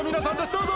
どうぞ！